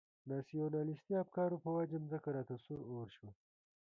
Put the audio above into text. ناسیونالیستي افکارو په وجه مځکه راته سور اور شوه.